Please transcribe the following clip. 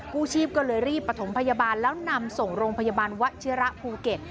ผู้ชีพก็เลยรีบประถมพยาบาลแล้วนำส่งโรงพยาบาลวชิระภูเก็ต